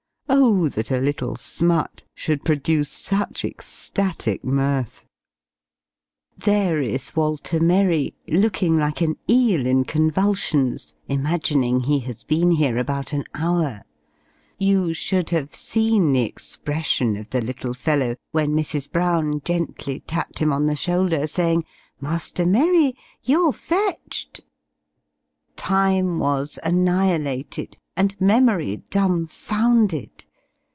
Oh, that a little smut should produce such ecstatic mirth! There is Walter Merry, looking like an eel in convulsions imagining he has been here about an hour: you should have seen the expression of the little fellow, when Mrs. Brown gently tapped him on the shoulder, saying, "Master Merry, you're fetched!" Time was annihilated, and memory dumbfounded!